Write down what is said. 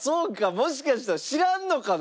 もしかしたら知らんのかな？